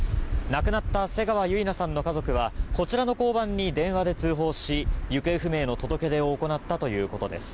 亡くなった瀬川結菜さんの家族はこちらの交番に電話で通報し行方不明の届け出を行ったということです。